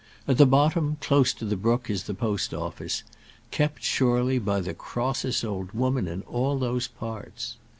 At the bottom, close to the brook, is the post office, kept surely by the crossest old woman in all those parts.